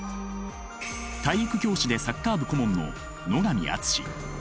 体育教師でサッカー部顧問の野上厚。